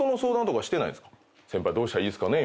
先輩どうしたらいいっすかね？